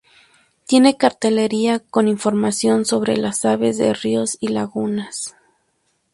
Tiene cartelería con información sobre las aves de ríos y lagunas.